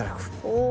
お。